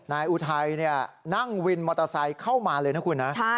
อุทัยนั่งวินมอเตอร์ไซค์เข้ามาเลยนะคุณนะ